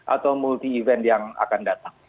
atau multi event yang akan datang